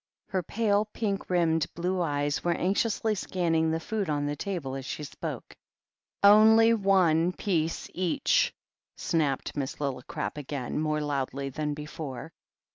Her pale, pink rimmed blue eyes were anx iously scanning the food on the table as she spoke. "Only one piece each," snapped Miss Lillicrap again, more loudly than before.